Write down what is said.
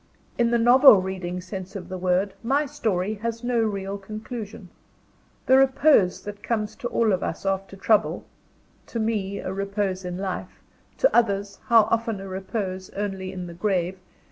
In the novel reading sense of the word, my story has no real conclusion. The repose that comes to all of us after trouble to me, a repose in life: to others, how often a repose only in the grave!